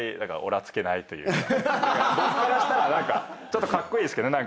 僕からしたらちょっとカッコイイですけど。